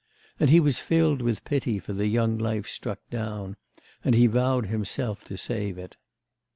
And he was filled with pity for the young life struck down, and he vowed to himself to save it.